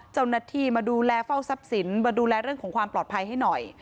เจ้าหน้าที่มาดูแลเฝ้าทรัพย์สินมาดูแลเรื่องของความปลอดภัยให้หน่อย